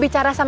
tete aku mau